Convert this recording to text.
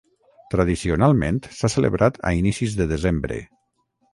Tradicionalment s'ha celebrat a inicis de desembre.